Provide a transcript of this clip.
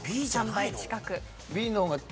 ３倍近く。